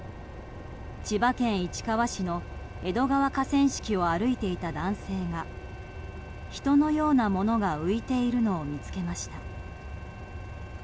千葉県市川市の江戸川河川敷を歩いていた男性が人のようなものが浮いているのを見つけました。